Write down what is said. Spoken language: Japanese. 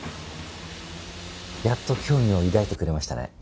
やっと興味を抱いてくれましたね。